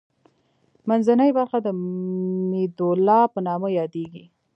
منځنۍ برخه د میدولا په نامه یادیږي.